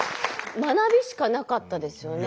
学びしかなかったですよね。